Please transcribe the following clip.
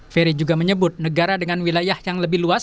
ferry juga menyebut negara dengan wilayah yang lebih luas